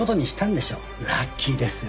ラッキーですよ。